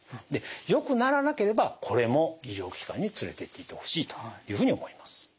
よくならなければこれも医療機関に連れていってほしいというふうに思います。